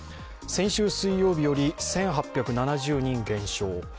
先週水曜日より１８７０人減少。